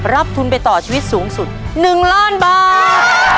ทุนไปต่อชีวิตสูงสุด๑ล้านบาท